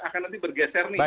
akan nanti bergeser nih